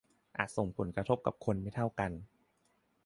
อาจส่งผลกระทบกับคนไม่เท่ากัน